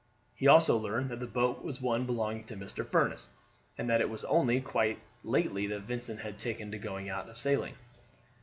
He also learned that the boat was one belonging to Mr. Furniss, and that it was only quite lately that Vincent had taken to going out sailing.